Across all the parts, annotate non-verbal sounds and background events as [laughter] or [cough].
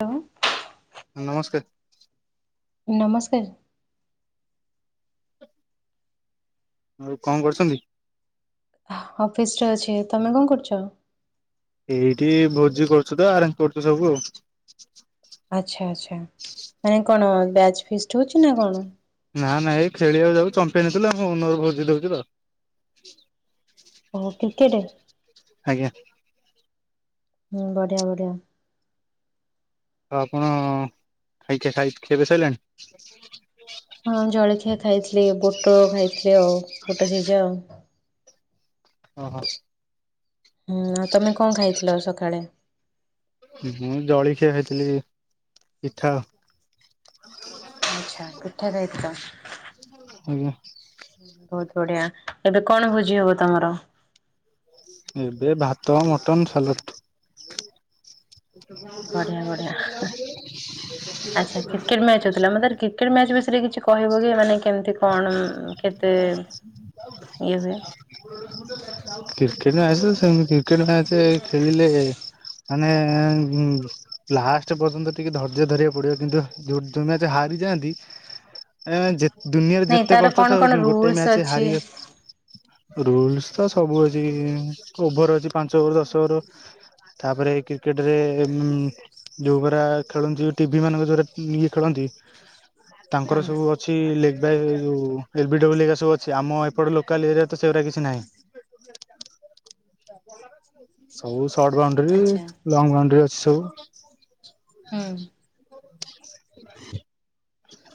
Hello ନମସ୍କାର। ନମସ୍କାର। ଆଉ କଣ କରୁଛନ୍ତି। ଅଫିସରେ ଅଛି ତମେ କଣ କରୁଛ। ଏଇଠି ଭୋଜି କରୁଛୁ ତ ଆରେଞ୍ଜ କରୁଛୁ ସବୁ ଆଉ। ଆଚ୍ଛା ଆଚ୍ଛା ମାନେ କଣ ବ୍ୟାଚ ଫିଷ୍ଟ ହଉଛି ନା କଣ। ନା ନାଇଁ ଖେଳିବାକୁ ଯାଉ ଚମ୍ପିଆନ୍ ହେଇ ଥିଲୁ ଆମ ଓନର ଭୋଜି ଦଉଛି ତ ଓହୋ କ୍ରିକେଟ। ଆଜ୍ଞା। ହଁ ବଢିଆ ବଢିଆ ତ ଆପଣ ଖାଇଚ [unintelligible] ଖିଆ ପିଆ ସଇଲାଣି? ହଁ ଜଳଖିଆ ଖାଇଥିଲି ବୁଟ ଖାଇଥିଲି ଆଉ ବୁଟ ସିଝା ଆଉ ଓ ହଁ ହୁଁ ଆଉ ତମେ କଣ ଖାଇଥିଲ ସକାଳେ? ମୁଁ ଜଳିଖିଆ ହେଇଥିଲି ପିଠା ଆଚ୍ଛା ପିଠା ଖାଇଥିଲ ଆଜ୍ଞା। ବହୁତ ବଢିଆ, ଏବେ କଣ ଭୋଜି ହବ ତମର? ଏବେ ଭାତ, ମଟନ୍, ସାଲଟ୍। ବଢିଆ ବଢିଆ। [inaudible] କ୍ରିକେଟ୍ ମ୍ୟାଚ ବିଷୟରେ କିଛି କହିବ କି, ମାନେ କେମିତି କଣ କେତେ ଇଏ ହୁଏ? କ୍ରିକେଟ ମ୍ୟାଚ୍, ସେମିତି କ୍ରିକେଟ ମ୍ୟାଚ୍ ଖେଳିଲେ ମାନେ ଲାଷ୍ଟ ପର୍ଯ୍ୟନ୍ତ ଟିକେ ଧୈର୍ଯ୍ୟ ଧରିବାକୁ ପଡିବ, କିନ୍ତୁ ଯୋଉ ଯୋଉ ମ୍ୟାଚ୍ ହାରିଯାଆନ୍ତି ଏଁ ଯେ ଦୁନିଆରେ ନାଇଁ ଯେତେ ତାର କଷ୍ଟ କଣ ଥାଉ, କଣ ଗୋଟେ ରୁଲସ ମ୍ୟାଚ ଅଛି? ହାରି ରୁଲସ ତ ସବୁ ଅଛି, ଓଭର ଅଛି ପାଞ୍ଚ ଓଭର୍ ଦଶ ଓଭର୍ ତାପରେ କ୍ରିକେଟରେ ଉଁ ଯୋଉ ଗୁରା ଖେଳନ୍ତି, ଯୋଉ ଟିଭି ମାନଙ୍କ ଯୋଉରା ଇଏ ଖେଳନ୍ତି ତାଙ୍କର ହଁ ସବୁ ଅଛି ଲେଗ ଏଲବ ସବୁ ଅଛି ଆମ ଏପଟ ଲୋକାଲ ଏରିଆ ତ ସେଗୁଡା କିଛି ନାହିଁ। ସବୁ ସର୍ଟ ବାଉଣ୍ଡରି, ଆଚ୍ଛା ଲଙ୍ଗ ବାଉଣ୍ଡରୀ ଅଛି ସବୁ। ହୁଁ। [inaudible]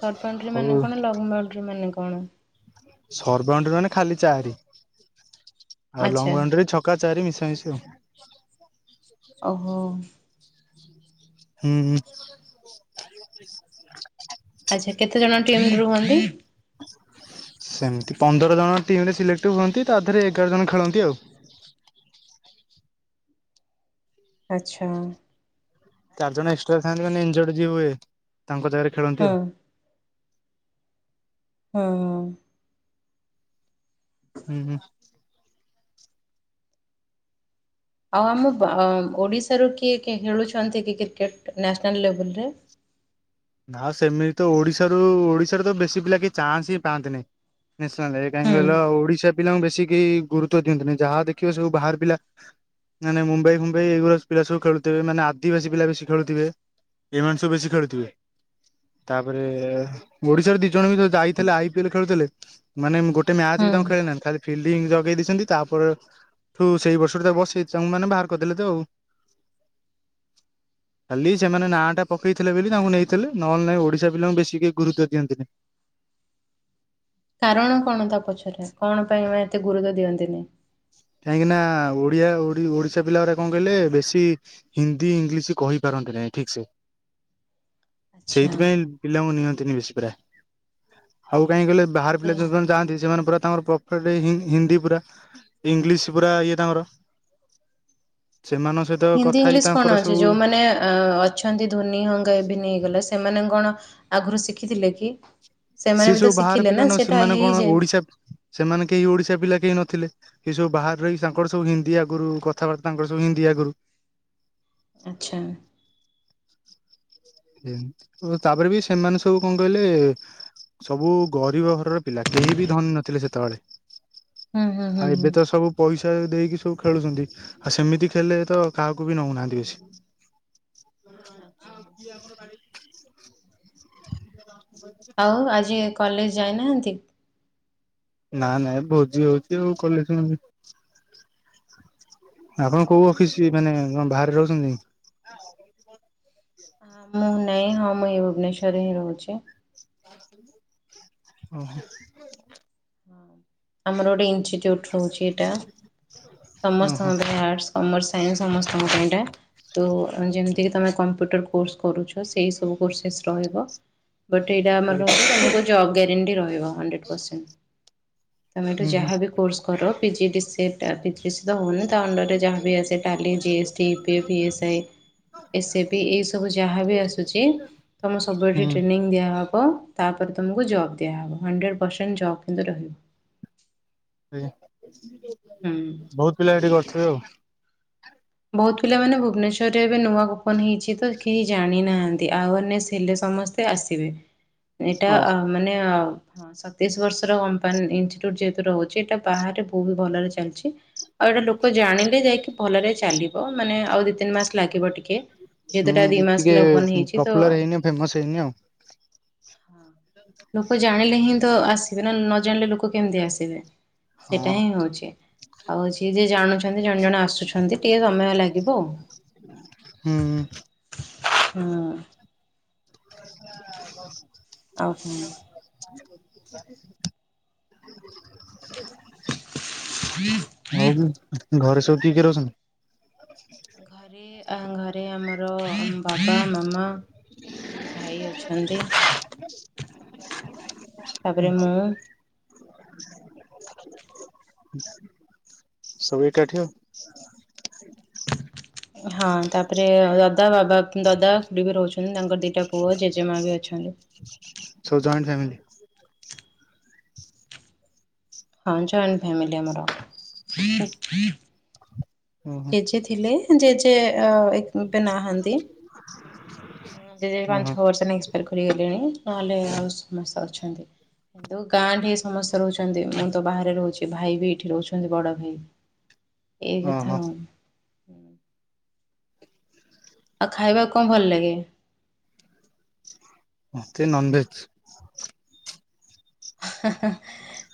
ସର୍ଟ ବାଉଣ୍ଡରିଙ୍ଗ ହଉ ମାନେ କଣ? ଲଙ୍ଗ ବାଉଣ୍ଡରିଙ୍ଗ ମାନେ କଣ? ସର୍ଟ ବାଉଣ୍ଡରିଙ୍ଗ ମାନେ ଖାଲି ଚାରି, ଆଉ ଆଚ୍ଛା ଲଙ୍ଗ ବାଉଣ୍ଡରିଙ୍ଗ ଛ କା ଚାରି ମିଶାମିଶି ଆଉ। ଓ ହୋ। ହୁଁ। ଆଚ୍ଛା କେତେ ଜଣ ଟିମ୍ ରୁହନ୍ତି? ସେମତି ପନ୍ଦର ଜଣ ଟିମ୍ ରେ ସିଲେକ୍ଟ ହୁଅନ୍ତି, ତା ଦେହରେ ଏଗାର ଜଣ ଖେଳନ୍ତି ଆଉ। ଆଚ୍ଛା ଚାରି ଜଣ ଏକ୍ସଟ୍ରା ଥାଆନ୍ତି ମାନେ ଇଞଜଡ୍ ଯିଏ ହୁଏ, ତାଙ୍କ ଜାଗାରେ ଖେଳନ୍ତି ହଁ ଆଉ। ହଁ। ହୁଁ - ହୁଁ। ଆଉ ଆମ ଓଡ଼ିଶାରୁ କିଏ କିଏ ଖେଳୁଛନ୍ତି କି କ୍ରିକେଟ୍, ନ୍ୟାସନାଲ୍ ଲେବୁଲରେ? ଆଉ ସେମିତି ତ ଓଡିଶାରୁ, ଓଡିଶାରେ ତ ବେଶୀ ପିଲା କି ଚାନ୍ସ ହିଁ ପାଆନ୍ତିନି। ନେସନାଲ୍ ରେ କାଇଁ ହୁଁ କହିଲ, ଓଡ଼ିଶା ପିଲାଙ୍କୁ ବେଶୀ କେହି ଗୁରୁତ ଦିଅନ୍ତିନେଇ, ଯାହା ଦେଖିବ ସବୁ ବାହାର ପିଲା ନାଇଁ ନାଇଁ ମୁମ୍ବାଇ ଫୁମ୍ବାଇ ଏଗୁରା ପିଲା ସବୁ ଖେଳୁଥିବେ, ମାନେ ଆଦିବାସୀ ପିଲା ବେଶୀ ଖେଳୁଥିବେ। ଏଇମାନେ ସବୁ ବେଶୀ ଖେଳୁଥିବେ? ତାପରେ ଓଡିଶାରୁ ଦି ଜଣ ବି ଯୋଉ ଯାଇଥିଲେ, ଆଇ ପି ଏଲ୍ ଖେଳୁଥିଲେ ମାନେ ଗୋଟେ ମ୍ୟାଚ ହୁଁ। ବି ତାଙ୍କୁ ଖେଳେଇ ନାହାନ୍ତି, ଖାଲି ଫିଲ୍ଡି ଜଗେଇ ଦେଇଛନ୍ତି। ତାପରେ ଠୁ ସେଇ ବର୍ଷରୁ ତା ବସେଇ [unintelligible] ମାନେ ବାହାର କରିଦେଲେ ତ ଆଉ। ଖାଲି ସେମାନେ ନାଁ ଟା ପକେଇଥିଲେ ବେ, ତାଙ୍କୁ ନେଇ ଥିଲେ, ନହେଲେ ନାଇଁ ଓଡ଼ିଶା ପିଲାଙ୍କୁ ବେଶୀ ଗୁରୁତ୍ୱ ଦିଅନ୍ତିିନି। କାରଣ କଣ ତା ପଛରେ, କଣ ପାଇଁ ଏତେ ଗୁରୁତ୍ୱ ଦିଅନ୍ତିନି? କାହିଁକିନା ଓଡ଼ିଆ ଓଡ଼ିଶା ପିଲା ଗୁରା କଣ କହିଲେ ବେଶୀ ହିନ୍ଦୀ, ଇଂଲିଶ କହି ପାରନ୍ତି ନାହିଁ ଠିକ୍ ସେ। ଆଚ୍ଛା ସେଇଥିପାଇଁ ପିଲାଙ୍କୁ ନିଅନ୍ତିନି ବେଶୀ ପରା, ଆଉ କାହିଁ କହିଲେ ବାହାର ପିଲା ଯୋଉମାନେ ଯାଆନ୍ତି, ସେମାନେ ପୁରା ତାଙ୍କର ପର୍ଫେକ୍ଟ ହିନ୍ଦୀ ପୁରା ଇଂଲିଶ ପୁରା ଇଏ ତାଙ୍କର, ସେମାନଙ୍କ ସହି ହିନ୍ଦୀ ଇଂଲିଶ କଣ ଅଛି, ଯୋଉମାନେ ଅଛନ୍ତି ଧୋନି ହଙ୍ଗା, [unintelligible] ସେମାନେ କଣ ଆଗରୁ ଶିଖିଥିଲେ କି? ସେମାନେ ସିଏ ବି ତ ସବୁ ବାହାର ଶିଖିଲେ ନା ପିଲା ନ, ସେଇଟା ସେମାନେ କଣ ହେଇଯାଏ ଓଡିଶା ସେମାନେ କେହି ଓଡିଶା ପିଲା କେହି ନଥିଲେ। ସେ ସବୁ ବାହାରେ ରହି, ତାଙ୍କର ସବୁ ହିନ୍ଦୀ ଆଗରୁ କଥାବାର୍ତ୍ତା ତାଙ୍କର ସବୁ ହିନ୍ଦୀ ଆଗରୁ। ଆଚ୍ଛା। ତାପରେ ବି ସେମାନେ ସବୁ କଣ କହିଲେ ସବୁ ଗରିବ ଘରର ପିଲା କେହି ବି ଧନୀ ନଥିଲେ ସେତେବେଳେ ହୁଁ ହୁଁ ହୁଁ ଆଉ ହୁଁ। ଏବେ ତ ସବୁ ପଇସା ଦେଇକି ସବୁ ଖେଳୁଛନ୍ତି ଆଉ ସେମିତି ଖେଳିଲେ ତ କାହାକୁ ବି ନଉନାହାନ୍ତି ବେଶୀ। ଆଚ୍ଛା। ଆଉ ଆଜି କଲେଜ ଯାଇନାହାନ୍ତି? ନା ନାଇଁ ଭୋଜି ବି ହଉଛି ଆଉ କଲେଜ ଯିବି। ଆପଣ କୋଉ ଅଫିସ୍ ମାନେଣ ବାହାରେ ରହୁଛନ୍ତି। ହଁ ମୁଁ ନାଇଁ ହଁ ମୁଁ ଏ ଭୁବନେଶ୍ୱରରେ ହିଁ ରହୁଛି। ହ ଓହୋ। ହ ଆମର ଗୋଟେ ଇନଚୁଟ ରହୁଛି ଏଇଟା ଓହୋ ସମସ୍ତଙ୍କଆର୍ଟ୍ସ କାମେର୍ସ ସାଇନ୍ସ ସମସ୍ତଙ୍କ ପାଇଁ ଏଇଟା ତ ଯେମିତିକି ତୁମେ କମ୍ପ୍ୟୁଟର କୋର୍ସ କରୁଛ ସେଇ ସବୁ କୋର୍ସେସ୍ ରହିବ ବଟ୍ ଏଇଟା ଆମର ହୁଁ ରଛି ଆ ଜବ୍ ଗ୍ୟାରେଣ୍ଟି ରହିବ ହଣ୍ଡେଡ ପରସେଣ୍ଟ ଆମେ ହୁଁ ହୁଁ ଯାହାବି କୋର୍ସ କରୁ ପିଜି ଡି ସି ଏ ପରିଶ ତ ହଉନି ତା ଅଣ୍ଡରରେ ଯାହା ବି ଆସେ Tally GS T V S I S A ବି ଏଇସବୁ ଯାହାବି ଆସୁଛି ତମେ ସବୁଏଠି ଟ୍ରେନିଂ ଦିଆହେବ। ତା ପରେ ତୁମକୁ ଜବ୍ ଦିଆହେବ ହଣ୍ଡ୍ରେଡ଼ ପରସେଣ୍ଟ ଜବ୍ କିନ୍ତୁ ରହିବ ହଁ। ହୁଁ। ପିଲା ସେଠି କରିଥିବେ ଆଉ ବହୁତ ପିଲାମାନୋନ ଭୁବନେଶ୍ୱରରେ ଏବେ ନୂଆ ଓପନ ହେଇଛି ତ କେହି ଜାଣିନାହାନ୍ତି ଆୱାରନେସ୍ ହେଲେ ସମସ୍ତେ ସେ ଆସିବେ ଏଇଟା ଓ ଆ ମାନେ ହଁ ସତେଇଶ ବର୍ଷର କମ୍ପାନୀ ଇଷ୍ଟିଚୁଟଯେହତୁ ରହୁଛି ଏଟା ବାହାରେ ବହୁ ଭଲରେ ଚାଲିଛି। ଆଉ ଏଇଟା ଲୋକ ଜାଣିଲେ ଯାଇକି ଭଲରେ ଚାଲିବ ମାନେ ଆଉ ଦି ତିନି ମାସ ଲାଗିବ ଟିକେ ଯେହେତୁ ଦି ହୁଁ ମାସ ଟିକେ ଲଗଇନ ହେଇଛି ତ ପପୁଲାର ହେଇନି ଫେମସ ହେଇନି ଆଉ। ଲୋକ ଜାଣିଲେ ହିଁ ତ ଆସିବେ ନା ନ ଜାଣିଲେ ଲୋକ କେମିତି ଆସିବେ। ସେଇଟା ହଁ ହିଁ ହଉଛି ଆଉ ଯିଏ ଯିଏ ଜାଣୁଛନ୍ତି ଜଣେ ଜଣେ ଆସୁଛନ୍ତି। ଟିକେ ସମୟ ଲାଗିବ ହୁଁ ଆ ହୁଁ [inaudible] ଆଉ ହଉ ବି ଘରେ ସବୁ ଟିକ ରହୁଛନ୍ତି। ଘରେ ଘରେ ଆମର ବାପା ମାମା ଦୁଇ ଭାଇ ଅଛନ୍ତି। ତାପରେ ମୁଁ ସବୁ ଏକାଠି ହଁ ତାପରେ ଦଦା ବାବା ଦଦା ବି ରହୁଛନ୍ତି। ତାଙ୍କର ଦିଟା ପୁଅ ଜେଜେମା ବି ଅଛନ୍ତି, ସବୁ ଜଏଣ୍ଟ ଫ୍ୟାମିଲି? ହଁ ଜଏଣ୍ଟ ଫ୍ୟାମିଲ ଆମର। ଓହୋ ଜେଜେ ଥିଲେ ଜେଜେ ଅ ଏବେ ନାହାଁନ୍ତି ଜେ ଓହୋ ପାଞ୍ଚ ଛ ବାର୍ କରି ଗଲେଣି ନହେଲେ ଆଉ ସମସ୍ତେ ଅଛନ୍ତି। କିନ୍ତୁ ଗାଁ ଠେଇ ସମସ୍ତେ ରହୁଛନ୍ତି ମୁଁ ତ ବାହାରେ ରହୁଛି ଭାଇ ବି ଏଇଠି ରହୁଛନ୍ତି ବଡ ଭାଇ ଏଇ ଓ କଥା ହୋ। ଆଉ ଆଉ ଖାଇବାକୁ କଣ ଭଲ ଲାଗେ? ମତେ ନନ୍ ଭେଜ୍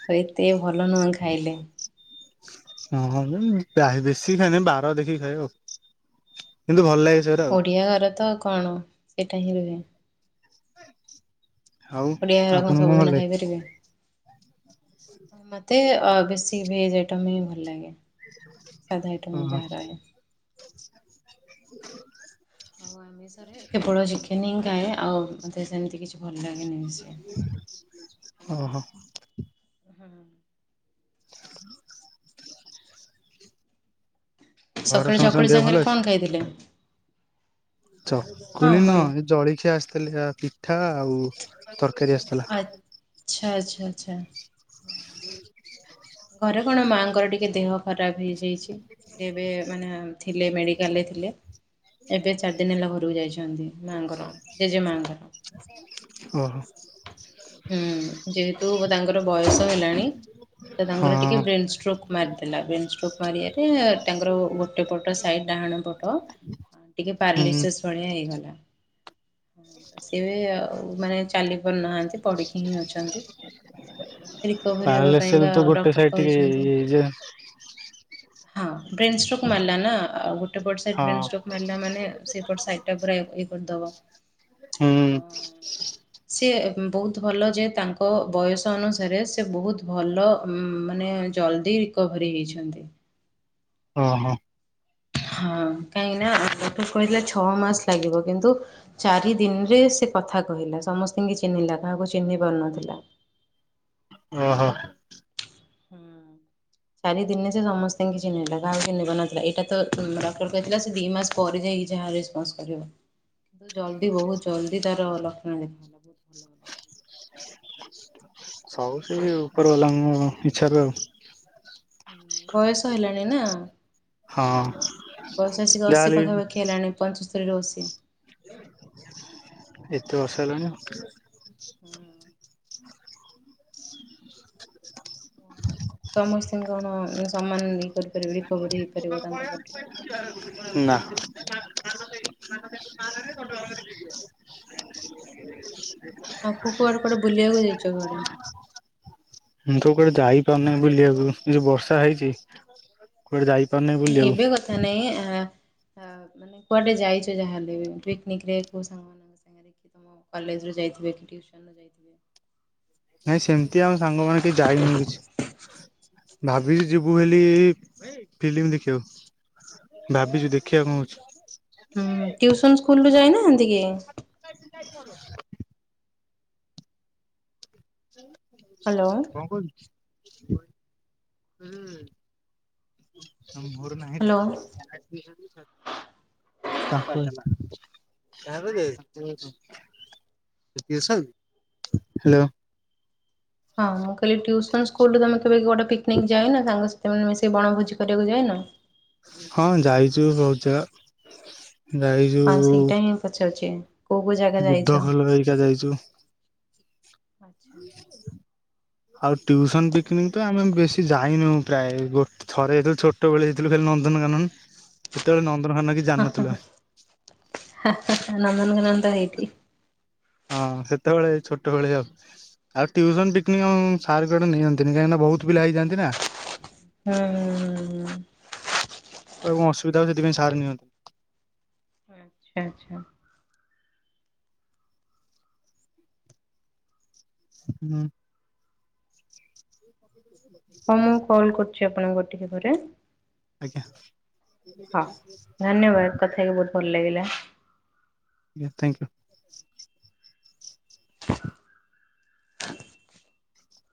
ଆଉ ଏତେ ଭଲ ନୁହଁ ଖାଇଲେ। ହଁଁ ଅ ବେଶୀ ଖାଏନି ବାର ଦେଖିକି ଖାଏ ଆଉ କିନ୍ତୁ ଭଲ ଲାଗେ ସେଗୁରା ଆଉ। ଓଡିଆ ଘର ତ କଣ ଏଟା ହିଁ ରୁହେ। ଆଉ ଓଡିଆ ଘର କଣ ଆପଣଙ୍କୁ ଭଲ ସବୁଦିନ ଲାଗେ? ଖାଇପାରିବେ ମୋତେ ଅ ବେଶୀ ଭେଜ୍ ଆଇଟମ୍ ହିଁ ଭଲ ଲାଗେ ସାଧା ଆଇଟମ୍ ଓହୋ ଯାହା ରହେ। [inaudible] ଆଉ ଆମିଷରେ କେବଳ ଚିକେନ ହିଁ ଖାଏ ଆଉ ମୋତେ ସେମିତି କିଛି ଭଲ ଲାଗେନି ବେଶି। ଓ ହୋ। ହୁଁ [inaudible] ଘର ସକାଳେ ସମସ୍ତଙ୍କ ଚକୁଳି ଦେହ ଭଲ ସାଙ୍ଗରେ ଅଛି? କଣ ଖାଇଥିଲେ? ହଁ ଚକୁଳି ଭଲ ନୁହ ଏ ଜଳଖିଆ ଆସିଥିଲା ପିଠା ଆଉ ତରକାରୀ ଆସିଥିଲା। ଆଛା ଆଚ୍ଛା ଆଛା। [inaudible] ଘରେ କଣ ମାଆଙ୍କର ଟିକେ ଦେହ ଖରାପ ହେଇଯାଇଛି। ସେ ଏବେ ମାନେ ଥିଲେ ମେଡିକାଲରେ ଥିଲେ ଏବେ ଚାରି ଦିନ ହେଲା ଘରକୁ ଯାଇଛନ୍ତି ମାଆଙ୍କର ଜେଜେ ମାଙ୍କର ତ ସେ ଓ ହୋ। ହୁଁ ଯେହେତୁ ତାଙ୍କର ବୟସ ହେଲାଣି ତ ହଁ ତାଙ୍କର ଟିକେ ବ୍ରେନ ଷ୍ଟୋକ୍ ମାରିଦେଲା ବେନ୍ ଷ୍ଟୋକ୍ ମାରିବାରେ ତାଙ୍କର ଗୋଟେ ପଟ ସାଇଡ଼୍ ଡାହାଣ ପଟ ଟିକେ ହୁଁ ପାରଲିସେଶ୍ ଭଳିଆ ହେଇଗଲା। ସିଏ ବି ମାନେ ଚାଲି ପାରୁନାହାନ୍ତି। ପଡ଼ିକି ହିଁ ଅଛନ୍ତି ରିକଭରି ହବା ପାଇଁ ପାରାଲିସିଲ ତ ଗୋଟେ ଡକ୍ଟର ସାଇଡ ଟିକେ କହିଛନ୍ତି। ଇଏ ଯେ ହଁ ବ୍ରେନ୍ ଷ୍ଟ୍ରୋକ୍ ମାରିଲା ନା ଆଉ ଗୋ ଟେ ପଟ ବ୍ରେନ ହଁ ଷ୍ଟ୍ରୋକ ମାରିଲା ମାନେ ସେପଟ ସାଇଟ ଟା ପୁରା ଇଏ କରିଦବ। ତ ହୁଁ। ସିଏ ବହୁତ ଭଲ ଯେ ତାଙ୍କ ବୟସ ଅନୁସାରେ ସେ ବହୁତ ଭଲ ମାନେ ଜଲଦି ରିକଭରି ହୋଇଛନ୍ତି। ଓଁ ହୋ। ହଁ କାହିଁକି ନା ଡକ୍ଟର କହିଥିଲେ ଛଅ ମାସ ଲାଗିବ କିନ୍ତୁ ଚାରି ଦିନରେ ସେ କଥା କହିଲା ସମସ୍ତଙ୍କୁ ଚିହ୍ନିଲା କାହାକୁ ଚିହ୍ନି ପାରୁନଥିଲା। ଓହୋ। ଚାରି ଦିନେ ସେ ସମସ୍ତେଙ୍କୁ ଚିହ୍ନିଲା କାହାକୁ ଚିହ୍ନିବି ପାରୁନଥିଲା ଏଇଟା ତ ଡକ୍ଟର କହିଥିଲା ସେ ଦି ମାସ ପରେ ଯାଇକି ଯାହା ରେସ୍ପନ୍ସ କରିବ କିନ୍ତୁ ଜଲଦି ବହୁତ ଜଲଦି ତାର ଲକ୍ଷଣ ଦେଖା ସବୁ ସେ ଉପର ବାଲାଙ୍କ ଇଛାରେ ଆଉ। ବୟସ ହେଲାଣି ନା ହଁ ବୟସ ଆସିକି ଅଶୀ ଯାହାହେଲେ ବି ପାଖାପାଖି ହେଲାଣି ପଞ୍ଚସ୍ତରୀ ରୁ ଅସିଏ ଏତେ ବର୍ଷ ହେଲାଣି ଆଉ। ହୁଁ। [inaudible] ସମସ୍ତେ କଣ ସମାନ ଇଏ କରିପାରିବେ ରିକଭରି ହେଇପାରିବ ତାଙ୍କ ପଟି ଟା। ନା। ହଁ କୁ କୁଆଡେ କୁଆଡେ ବୁଲିବାକୁ ଯାଇଛ କୁଆଡେ? ମୁଁ ତ କୁଆଡେ ଯାଇପାରୁନେଇ ବୁଲିବାକୁ ଯଉ ବର୍ଷା ହେଇଛି। କୁଆଡେ ଯାଇପାରୁନେଇ ବୁଲିବାକୁ। ଆଁ ମାନେ କୁଆଡେ ଯାଇଛ ଯାହାହେଲେ ପିକନିକରେ କୋଉ ସାଙ୍ଗ ମାନ ଦେଖି ତମ କଲେଜରେ ଯାଇଥିବେ କି ଟ୍ୟୁସନ ଯାଇଥି ନାଇଁ ସେମତି ଆମ ସାଙ୍ଗ ମାନେ କେହି ଯାଇନୁ କିଛି। ଭାବିଚୁ ଯିବୁ ବୋଲି ଫିଲିମି ଦେଖିବାକୁ। ଭାବିଚୁ ଦେଖିଆ କଣ ହୋଉଛି। ହୁଁ ଟ୍ୟୁସନ ସ୍କୁଲରୁ ଯାଇନାହାନ୍ତି କି? [unintelligible] ହ୍ୟାଲୋ କଣ କହିଲୁ? ମୋର ନାହିଁ ହ୍ୟାଲୋ। ଟୋ କାହାକୁ [unintelligible] ହାଲୋ। ହଁ ମୁଁ କହିଲି ଟିଉସନ୍ ସ୍କୁଲରୁ ତମେ କେବେ କୁଆଡେ ପିକନିକ ଯାଇନ ସାଙ୍ଗସୁ ତମେ ସେଇ ବଣଭୋଜି କରିବାକୁ ଯାଇନ? ହଁ ଯାଇଚୁ ବୋହୁତ ଜାଗା। ଯାଇଛୁ ହଁ ସେଇଟା ହିଁ ପଚାରୁଚି କୋଉ କୋଉ ଜାଗା ବୁଦ୍ଧ ଯାଇଚ? ଖୋଲ ହେରିକା ଯାଇଛୁ। ଆଚ୍ଛା। ଆଉ ଟିଉସନ ପିକନିକ ତ ଆମେ ବେଶୀ ଯାଇନୋଉ ପ୍ରାୟେ ଗୋ ଥରେ ଯେତଳେ ଛୋଟବେଳେ ହେଇଥିଲୁ ଖାଲି ନନ୍ଦନକାନନ ସେତେବେଳେ ନନ୍ଦନକାନନ କିଛି ଜାଣିନଥିଲୁ ଆ ହା ହା ହା ନନ୍ଦନକାନନ ତ ଏଇଠି। ହଁ ସେତେବେଳେ ଛୋଟବେଳେ ଆଉ ଆଉ ଟିଉସନ୍ ପିକନିକ୍ ଆମକୁ ସାର୍ କୁଆଡେ ନିଅନ୍ ତିନି କାହିଁକିନା ବୋହୁତ ପିଲା ହେଇଯାଆନ୍ତି ନା। ହୁଁଉଁ। କୁଆଡେ କଣ ଅସୁବଧା ହବ ସେଥିପାଇଁ ସାର ନିଅନ୍ତି ଆଚ୍ଛା ଆଚ୍ଛା। ହୁଁ। ଛି ଆପଣଙ୍କ ଘର ଟିକେ ଘରେ? ଆଜ୍ଞା। [unintelligible] କଥା ହେଇକି ବୋହୁତ୍ ଭଲ ଲାଗିଲା। ଆଜ୍ଞା ଥାଙ୍କ୍ ୟୁ।